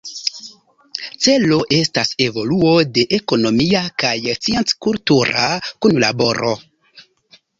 Celo estas evoluo de ekonomia kaj scienc-kultura kunlaboro.